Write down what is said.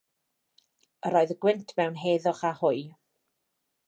Yr oedd y gwynt mewn heddwch â hwy.